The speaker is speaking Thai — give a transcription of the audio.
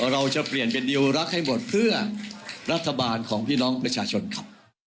เราจะเปลี่ยนเป็นดิวรักให้หมดเพื่อรัฐบาลของพี่น้องประชาชนครับ